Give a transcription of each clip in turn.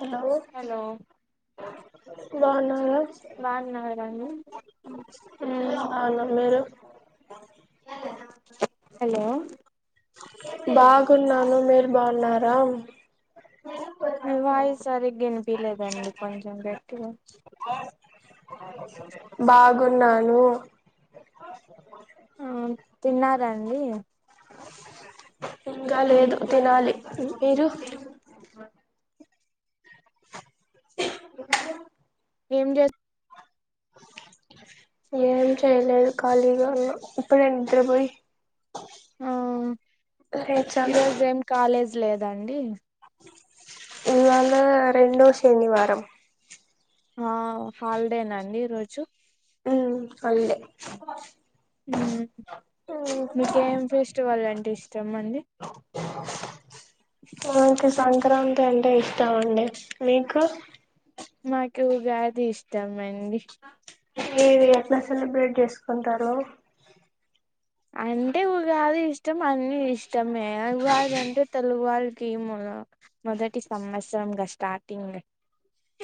hello బాగున్నారా బగున్నారండి బాగున్నామ్ మీరు హలో బాగున్నాను మీరు బాగున్నారా వాయిస్ సరిగ వినిపిలేదండి కొంచెం గెట్టిగా బాగున్నాను ఆ తిన్నారా అండి ఇంకా లేదు తినాలి మీరు ఏం చేస్తా ఏం చెయ్యలేదు కాలిగా ఉన్న ఇప్పుడే నిద్రపోయి ఆ లేచాను ఈరోజు ఏం కాలేజ్ లేదా దండి ఇవాళ రెండో శనివారం ఆ హాలిడేనా అండి ఈ రోజు ఆ హాలిడే మీకేం ఫెస్టివల్ అంటే ఇష్టం అండి నాకు సంక్రాంతి అంటే ఇష్టం అండి మీకు నాకు ఉగాది ఇష్టం అండి ఏవి ఎట్లా సెలబ్రేట్ చేసుకుంటారు అంటే ఉగాది ఇష్ట ష్టం అన్ని ఇష్టం మే ఉగాది అంటే తెలుగు వాళ్ళకి మ మొదటి సంవత్సరంగా స్టార్టింగ్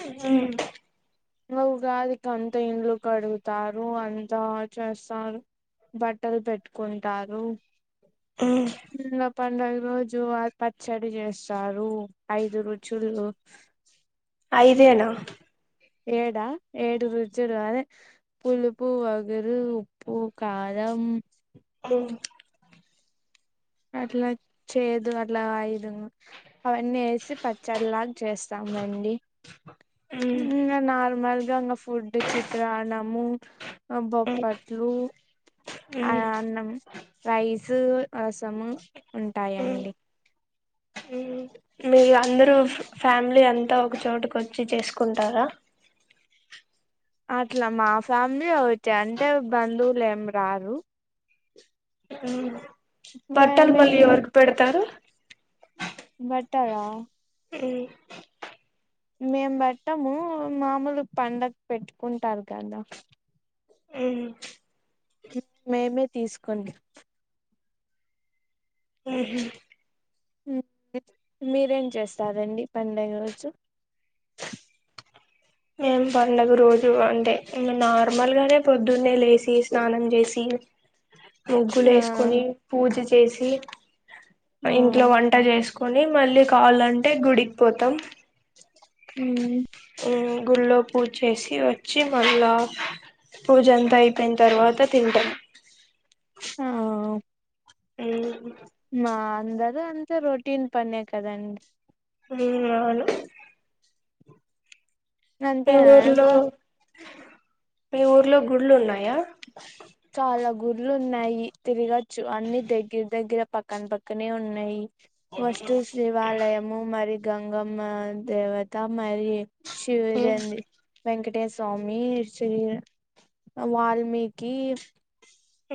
ఆ నువ్వుగాదికి అంత ఇండ్లు కడుగుతారు అంత చేస్తారు బట్టలు పెట్టుకుంటారు ఉమ్ ఇంగ పండుగ రోజు పచ్చడి చేస్తారు ఐదు రుచులు ఐదేనా ఏడా ఏడు రుచులు అదే పులుపు వగురు ఉప్పు కారం ఓ అట్లా చేదు అట్లా ఐదు అవన్నీ వేసి పచ్చడిలాగా చేస్తామండి ఉమ్ ఇంకా నార్మల్గా ఇంగ ఫుడ్ చిత్రాన్నము బొప్పట్లు అన్నం రైస్ సము ఉంటాయిండి [unintelligible] అందరు ఫ్యామిలీ అంత అంత ఒక చోటుక వచ్చి చేసుకుంటారా అట్లా మా ఫ్యామిలీ ఒకటి అంటే బంధువులు ఏం రారు బట్టల మేమే మళ్ళీ ఎవరికి పెడతారు బట్టల ఈ మేము బట్టము మామూలు పండగ పెట్టుకుంటారు కదా మేమే తీసుకోండి మీరేం చేస్తారండి పండగ రోజు మేం పడుగ రోజు అంటే నార్మల్గానే పొద్దున్నే లేసి స్నానం చేసి ముగ్గులు ఆ వేసుకుని పూరీ చేసి ఆ ఇంట్లో వంట చేసుకు కని మళ్ళీ కావాలంటే గుడికి పోతాం హ్మ్ ఉ గుళ్ళో పూజ చేసి వచ్చి మళ్ళా పూజ అంతా అయిపోయిన తర్వాత తింటాము ఆ అ అందద అంత రొటీన్ పనే కదండి ఉ అవును మీ ఊర్లో అంతేనాంగా మీ ఊర్లో గుళ్లు ఉన్నాయా చాల గుర్లు ఉన్నాయి తిరగచ్చు అన్ని దగ్గర దగ్గర పక్కన పక్కనే ఉన్నాయి ఫెస్టివ్స్ శివాలయము మరి గంగమ్మ దేవత మై మ్మ్ శివదంది వెంకట పట్టయస్వామి శీ వాల్మీకి ఆ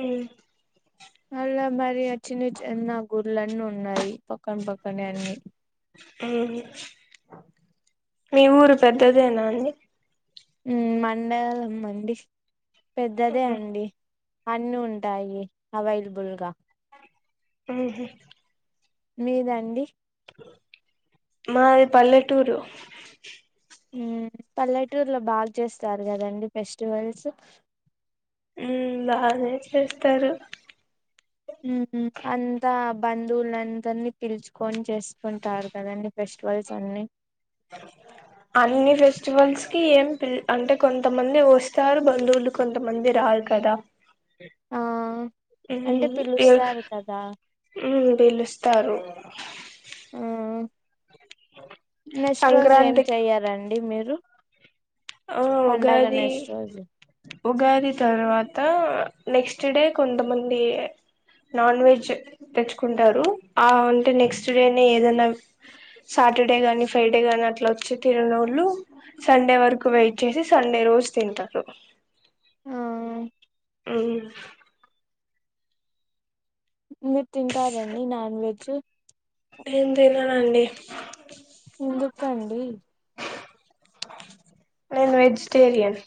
అలా మరి అ చిన చిన్న గుడ్లన్నీ ఉన్నాయి పక్కన పక్కన అన్ని ఉ మీ ఊరు పెద్దదేనా అండి హ్మ్ మండలం మండడి పెద్దదే అండి అన్నీ ఉంటాయి అవైలబుల్గా ఆ మీదండి మాది పల్లెటూరు పల్లెటూరు లో బాగా చేస్తారు కదండి ఫెస్టివల్స్ ఉ బానే చేస్తారు అంతా బంధువుల అందరినీ పిలుచుకొని చేసుకుంటారు కదండి ఫెస్టివల్స్ అన్ని అన్ని ఫెస్టివల్స్ కి అంటే కొంతమంది వస్తారు బంధువులు కొంతమంది రారు కదా ఆ అంటే పిలుస్తారు కదా హ్మ్ పిలుస్తారు హ్మ్ నెక్స్ట్ రోజు ఏం సంక్రాంతికి చెయ్యాలండి మీ రు ఆ ఉగాది రోజు ఉగాది తర్వాత నెక్స్ట్ డే కొంతమంది నాన్ వెజ్ తెచ్చుకుంటారు ఆ అంటే నెక్స్ట్ డేనే ఏదన్న సాటర్డే గాని ఫ్రైడే గాని అట్లా వచ్చి తిననోళ్ళు సండే వర కు వెయిట్ చేసి సండే రోజు తింటారు మ్మూ ఉమ్ మీరు తింటారా అండి నాన్ వెజ్ నేను తిననండి ఎందుకండి నేను వెజిటేరియన్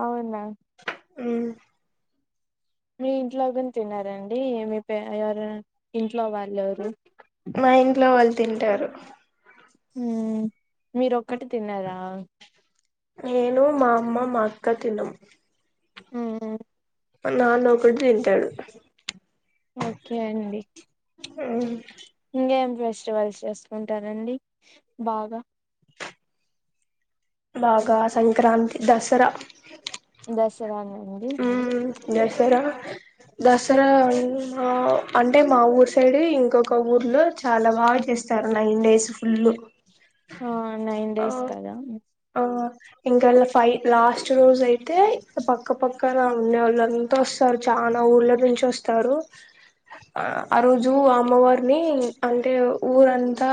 అవునా మ్మ్ మీ ఇంట్లో గున తినరా అండి మీ పే ఎవరు ఇంట్లో వాళ్ళు ఎవరు మా ఇంట్లో వాళ్ళు తింటారు మీరు ఒక్కటి తిన్నారా నేను మా అమ్మ మా అక్క తినం మ్మూ హు మా నాన్న ఒక్కడు తింటడు ఓకే అండి హూమ్ ఇంగేం ఫెస్టివల్స్ చేసుకుంటారండి బాగా బాగా సంక్రాంతి దసరా దసరానా అండి ఉమ్ దసరా దసరా ఆ అంటే మా ఊరు సైడే ఇంకొక ఊర్లో చాలా బాగా చేస్తారు నైన్ డేస్ ఫుల్ ఆ నైన్ ఆ డేస్ కదా ఆ ఇంకా ఫైవ్ లాస్ట్ రోజు అయితే ఇ పక్కపక్కన ఉండేవాళ్ళు అంతా వస్తారు చానా ఊర్ళ నుంచి వస్తారు ఆ రోజు అమ్మవారిని అంటే ఊరంతా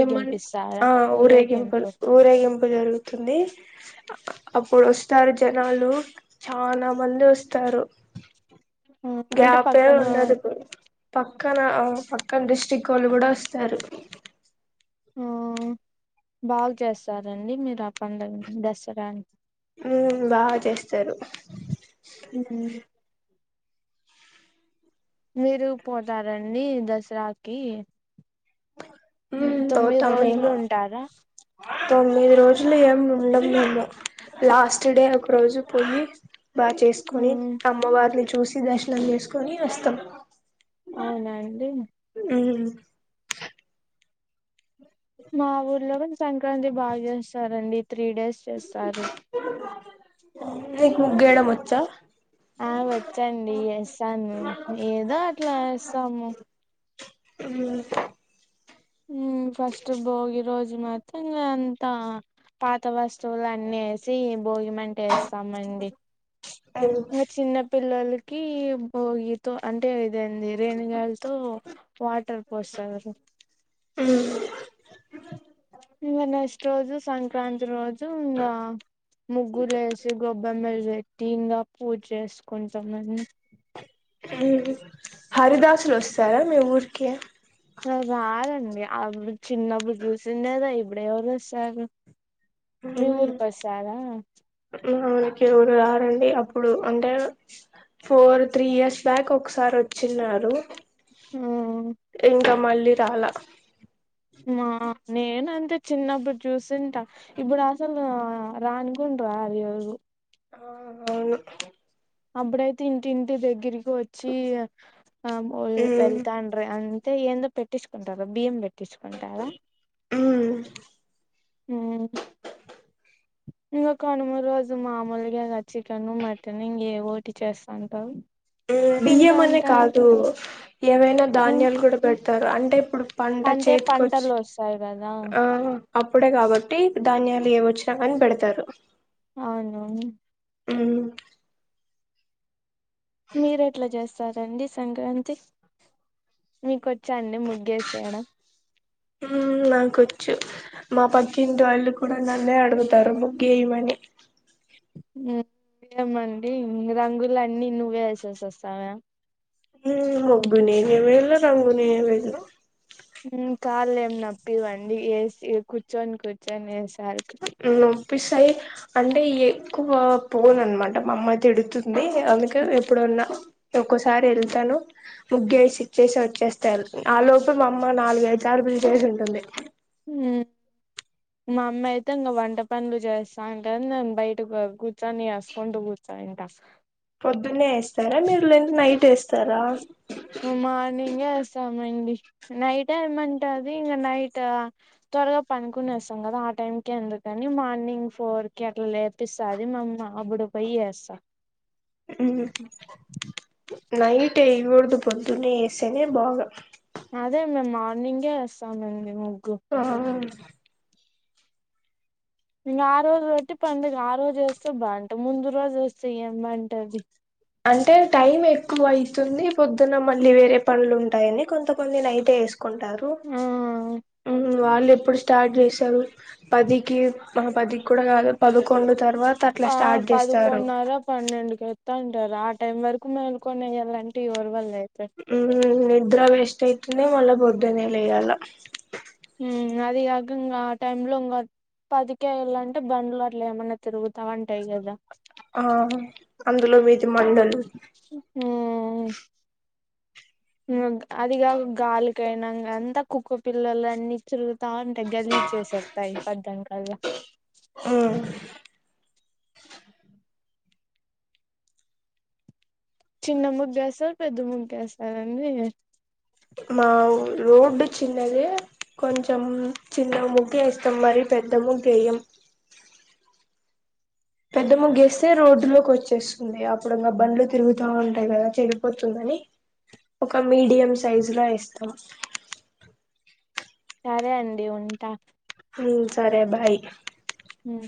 ఏమన్ ఊరేగింపు ఊరేగింపు జరుగుతుంది అప్పుడు వస్తారు జనాలు చానా మంది వస్తారు ఆ, అంటే గ్యాపే పక్కన ఉండదు ఇప్పుడు పక్కన పక్కన డిస్టిక్ వాళ్ళు కూడా వస్తారు ఆ బాగు చేస్తారా అండి మీరు ఆ పండగని దసరాని మ్మూ బాగా చేస్తారు మ్ ఉ మీరు పోతార అండి దసరాకి మ్ ఉమ్ తొమ్మిది పోతాం రోజులు మేము ఉంటారా తొమ్మిది రోజులు ఏమి ఉండము మేము లాస్ట్ డే ఒక రోజు పోయి బాగా చేసుకొని ఉమ్, అమ్మవారిని చూసి దర్శనం చేసుకొని వస్తాం అవునండి హ మా ఊర్లో సంక్రాంతి బాగా చేస్తారండి త్రీ డేస్ చేస్తారు మీకు ముగ్గేయడం వచ్చా ఆ వచ్చండి ఎస్తాను ఏదో అట్లా వస్తాము అ హమ్ ఫస్ట్ భోగి రోజు మాత్రం అంతా పాత వస్తువులు అన్ని వేసి భోగిమంట వేస్తామండి ఉమ్ ఇంకా చిన్న పిల్లోలకి భోగి తో అంటే ఇదే అండి రేనిగాయలతో వాటర్ పోస్తారు ఉమ్ ఇంగ నెక్స్ట్ రోజు సంక్రాంతి రోజు ఇంగా ముగ్గులు వేసి గొబ్బెమ్మలు పెట్ టిన్ గా పూజ చేసుకుంటాం అని ఉ హరిదాసులు వస్త సరే మీ ఊరికి రారండి అపుడు చిన్నప్పుడు చూసిండేదె ఇప్పుడు ఎవరు వస్తారు మీ ఊరు బస్- రారా మనకేవరు రారండి అప్పుడు అంటే ఫోర్ త్రీ ఇయర్స్ బ్యాక్ ఒకసారి వచ్చిన్నారు హమ్ ఇంకా మళ్ళీ రాలె మా నేనంతే చిన్నప్పుడు చూస్తుంట ఇప్పుడు అసలు రాను కూడా రారు ఎవరూ ఆ అవును అప్పుడైతే ఇంటింటి దగ్గరికి వచ్చి ఉమ్ వెళ్తాండ్రా అం అంటె ఏందో పెట్టించుకుంటారు బియ్యం పెట్టి పెట్టించుకుంటారా ఉమ్ ఇంకో కనుమ రోజు మామూలుగా ఇల చికెన్ మటన్ ఇంక ఎదొటి చేస్తాంటారు ఇగ తింటా బియ్యం అనే అంటారు కాదు ఏవైనా ఉమ్, ధాన్యాలు కూడా పెట్ తారు అంటే ఇప్పుడు పంట అంటే చేతికచ్చి పంటలు వస్తాయి కదా ఆ అప్పుడే కాబట్టి ధాన్యాలు ఏవి వచ్చినా కాని పెడతారు అవును మ్మ్ మీరు ఎట్లా చేస్ సరే అండి సంక్రాంతి మీకో హుమ్మ్ నాకొచ్చు మా పక్కింటి వాళ్ళు కూడా నన్నే అడుగుతారు ముగ్గు వేయమనీ ఏమండీ రంగులన్ని నువ్వే వేసేసి వస్తావా హుమ్మ్ ముగ్గు నేనే వేయాల రంగు నేనే వేయాల కాళ్ళ ఏం నొప్పి వండి ఏసి కూర్చొని కూర్చొని వేసి నువ్ పిసాయి అం అంటే ఎక్కువ పోను అనమాట మామ్మయి తిడుతు అండి అందుకే ఎప్పుడు అన్న ఒక్కసారి వెళ్తాను ముగ్గేసి ఇచ్చేసి వచ్చేస్తారు ఆ లోపు మా అమ్మ నాలుగు ఐదు సార్లు పిలిచేసి ఉంటుంది హ్మ్ మా అమ్మ అయితే ఇంగా వంట పనులు చేస్తా అంటది నన్ను బయటకు కూర్చొని వేసుకుంటూ కూర్చయింట పొద్దున్నే వేస్తారా మీరు లేం నైట్ వేసు తరా హ్మ్ మార్నింగే వేస్తామండి నైట్ ఏమంటది ఇంకా నైట్ త్వరగా పనుకొనేస్తాం గదా ఆ టైం కే ఎందుకని మార్నింగ్ ఫోర్ కి అట్లా లేపిస్తాది మా అమ్మ అప్పుడు పోయి వేస్తా ఉహు నైట్ ఏయ్యగుడదు పోద్దునే ఏసేనే బాగా అదే మేమ్ మార్నింగే ఏస్తా మ్యామ్ హు ఆ ఇంగా ఆ రోజు వెట్టి పండుగ ఆ రోజు ఏస్తే బాగుంట ముందు రోజు ఏస్తే ఏం బాగుంటది జీ అంటే టైం ఎక్ ఎక్కువ అయితుంది పొద్దునం మళ్ళీ వేరే పనులు ఉంటాయని కొంత కొందిని అయితే వేసు కొంటారు మ్మ్ వాళ్ళు ఇప్పుడు స్టార్ట్ చేసారు పదికి మహ పదికి కూడా గాదు పదకొండు తర్వాత అట్లా పా స్టార్ట్ చేస్తారు పదికొండునర పన్నెండుకు ఎత్తంది టారు ఆ టైం వరకు మేలుకొని వెయ్యాలంటే ఎవరు వల్లే [unintelligible] నిద్ర వేస్ట్ అయితుంది మళ్ళా పోద్దునే లేయ్యాల హ్మ్ అది గాక ఇంగా ఆ టైం లో ఇంగా పదికేళ్ళ అంటే బండ్లు అట్లు ఏమైన్నా తిరుగుతా ఉంటాయి గదా ఆ అందులో వీధి మండలు ఆ హ్మ్ అంక్ అదిగావు గాలికైనంగా అంతా కుక్క పిల్లలు అన్ని చూలుతా ఉంటాయి గలీజ్ చేసేతస్తాయి పద్దం కల్లా మ్మ్ చిన్న ముద్దు ఏస్తారు పెద్ద ముగ్గేస్తారు అండి మా రోడ్డు చిన్నది కొంచెం చిన్న ముగ్గు వేస్తాం మరి పెద్ద ముగ్గు వెయ్యం పెద్ద ముగ్గేస్తే రోడ్డులోకి వచ్చేస్తుంది అప్పుడుంగా బండ్లు తిరుగుతా ఉంటాయి కదా చెడిపోతుందని ఒక మీడియం సైజు లో వేస్తాం సరే అండి ఉంటా హుమ్మ్ సరే బాయ్ మ్మ్